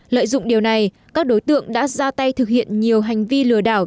lợi dụng điều này các đối tượng đã ra tay thực hiện nhiều hành vi lừa đảo